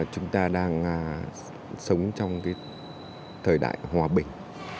chúng ta đang sống trong thời đại hòa bình